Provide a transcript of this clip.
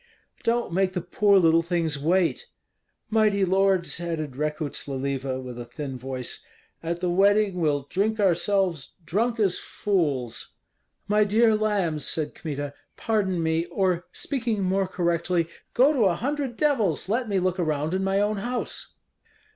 "Don't make the poor little things wait!" "Mighty lords," added Rekuts Leliva, with a thin voice, "at the wedding we'll drink ourselves drunk as fools." "My dear lambs," said Kmita, "pardon me, or, speaking more correctly, go to a hundred devils, let me look around in my own house."